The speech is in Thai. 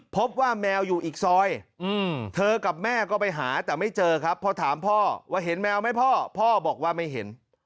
พบว่าแมวอยู่อีกซอยเธอกับแม่ก็ไปหาแต่ไม่เจอครับพอถามพ่อว่าเห็นแมวไหมพ่อพ่อบอกว่าไม่เห็น